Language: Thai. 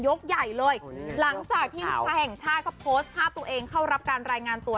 รางจากที่มุษฎหีหังชาติเขาโพสต์ภาพตัวเองเข้ารับการรายงานตัว